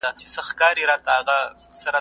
د کمپیوټر ساینس پوهنځۍ له پامه نه غورځول کیږي.